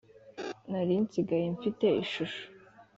nari nsigaye mfite ishusho